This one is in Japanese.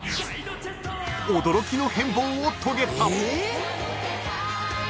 ［驚きの変貌を遂げた］